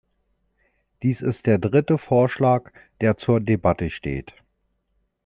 Dies ist der dritte Vorschlag, der zur Debatte steht.